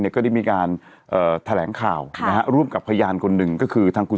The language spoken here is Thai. ก็ได้มีการแถลงข่าวนะฮะร่วมกับพยานคนหนึ่งก็คือทางคุณ